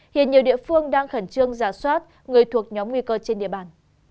hiện nhiều địa phương đang khẩn trương giả soát người thuộc nhóm nguy cơ trên địa bàn